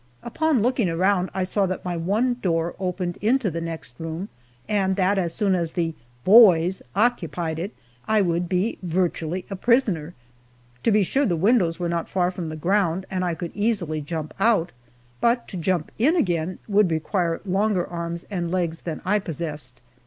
Upon looking around I saw that my one door opened into the next room, and that as soon as the "boys" occupied it I would be virtually a prisoner. To be sure, the windows were not far from the ground, and I could easily jump out, but to jump in again would require longer arms and legs than I possessed.